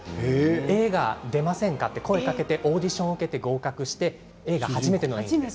映画に出ませんかと声をかけてオーディション受けて合格して初めての映画です。